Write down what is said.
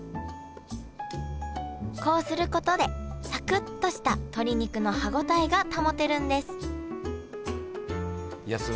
こうすることでサクっとした鶏肉の歯応えが保てるんですいや